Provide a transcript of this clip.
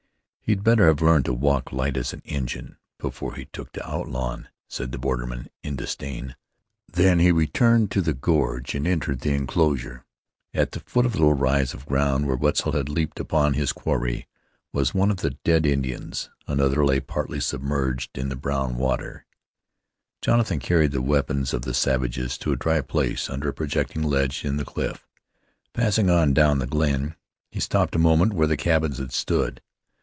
"He'd better have learned to walk light as an Injun before he took to outlawin'," said the borderman in disdain. Then he returned to the gorge and entered the inclosure. At the foot of the little rise of ground where Wetzel had leaped upon his quarry, was one of the dead Indians. Another lay partly submerged in the brown water. Jonathan carried the weapons of the savages to a dry place under a projecting ledge in the cliff. Passing on down the glen, he stopped a moment where the cabins had stood.